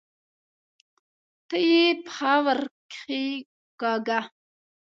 ته یې پښه ورکښېکاږه!